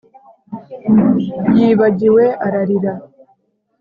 yibagiwe, ararira;